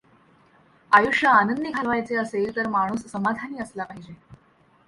आयुष्य आनंदी घालवायचे असेल तर माणूस समाधानी असला पाहिजे.